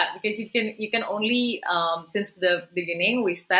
dari awal kita berkata